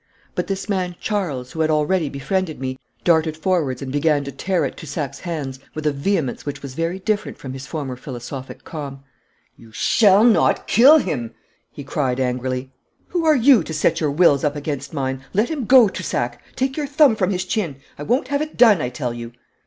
But this man Charles, who had already befriended me, darted forwards and began to tear at Toussac's hands with a vehemence which was very different from his former philosophic calm. 'You shall not kill him!' he cried angrily. 'Who are you, to set your wills up against mine? Let him go, Toussac! Take your thumb from his chin! I won't have it done, I tell you!'